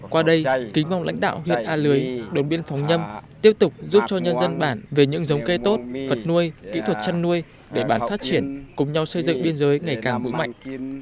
qua đây kính mong lãnh đạo huyện a lưới đồn biên phòng nhâm tiếp tục giúp cho nhân dân bản về những giống cây tốt vật nuôi kỹ thuật chăn nuôi để bản phát triển cùng nhau xây dựng biên giới ngày càng mũi mạnh